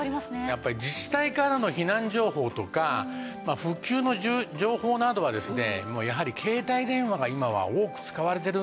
やっぱり自治体からの避難情報とか復旧の情報などはですねやはり携帯電話が今は多く使われてるんですよね。